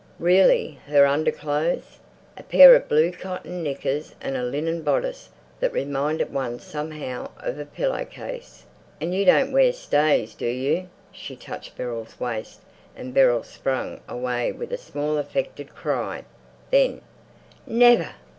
Really—her underclothes! A pair of blue cotton knickers and a linen bodice that reminded one somehow of a pillow case.... "And you don't wear stays, do you?" She touched Beryl's waist, and Beryl sprang away with a small affected cry. Then "Never!"